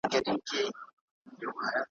په خپل وخت کي یې هم ,